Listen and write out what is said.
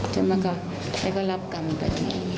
เช่นเมื่อกี้ก็รับกรรมไปเอง